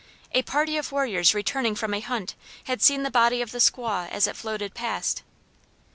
A party of warriors returning from a hunt had seen the body of the squaw as it floated past.